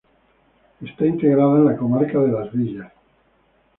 Está integrada en la comarca de Las Villas.